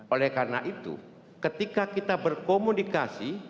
oleh karena itu ketika kita berkomunikasi